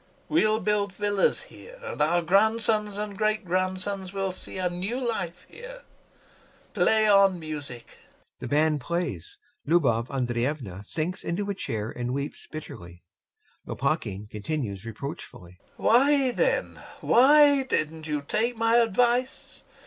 We'll build villas here, and our grandsons and great grandsons will see a new life here.... Play on, music! [The band plays. LUBOV ANDREYEVNA sinks into a chair and weeps bitterly. LOPAKHIN continues reproachfully] Why then, why didn't you take my advice?